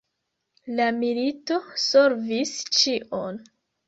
La milito solvis ĉion.